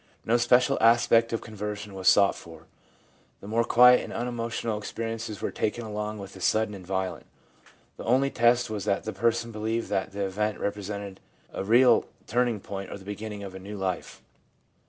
No special aspect of conversion was sought for. The more quiet and unemotional experi ences were taken along with the sudden and violent. The only test was that the person believed that the event represented a real turning point or the beginning of a new life.